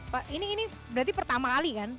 pak ini berarti pertama kali kan